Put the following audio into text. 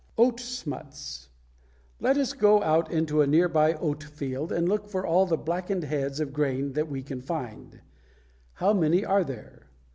=Oat Smuts.= Let us go out into a near by oat field and look for all the blackened heads of grain that we can find. How many are there?